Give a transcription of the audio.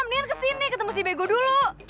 niar kesini ketemu si bego dulu